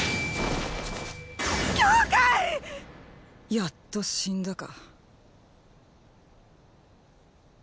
やっと死んだか。